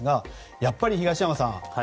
やっぱり東山さん